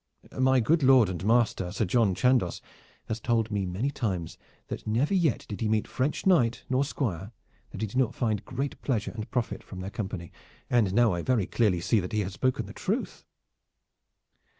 My good lord and master, Sir John Chandos, has told me many times that never yet did he meet French knight nor squire that he did not find great pleasure and profit from their company, and now I very clearly see that he has spoken the truth."